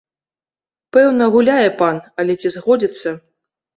Пэўна, гуляе пан, але ці згодзіцца?